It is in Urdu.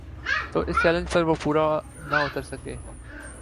تو اس چیلنج پہ وہ پورا نہ اتر سکے۔